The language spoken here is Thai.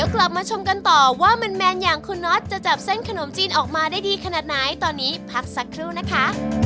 กลับมาชมกันต่อว่าแมนอย่างคุณน็อตจะจับเส้นขนมจีนออกมาได้ดีขนาดไหนตอนนี้พักสักครู่นะคะ